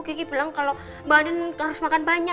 gigi bilang kalau mbak andien harus makan banyak